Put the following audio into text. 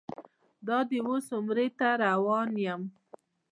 دادی اوس عمرې ته روان یم.